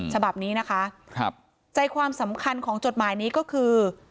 ฉบับนี้นะคะใจความสำคัญของจดหมายนี้ก็คือ